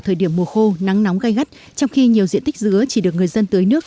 thời điểm mùa khô nắng nóng gai gắt trong khi nhiều diện tích dứa chỉ được người dân tưới nước